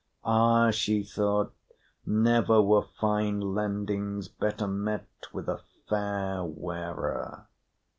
"Ah!" she thought, "never were fine lendings better met with a fair wearer."